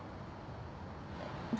何？